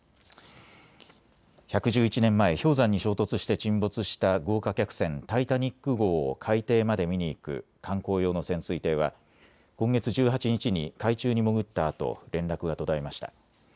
１１１年前、氷山に衝突して沈没した豪華客船タイタニック号を海底まで見に行く観光用の潜水艇は今月１８日に海中に潜ったあと連絡が途絶えました。